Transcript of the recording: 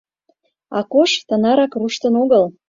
Акош тынарак руштын огыл.